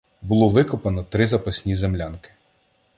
Було викопано три запасні землянки.